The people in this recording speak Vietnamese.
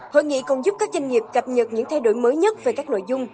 hội nghị còn giúp các doanh nghiệp cập nhật những thay đổi mới nhất về các nội dung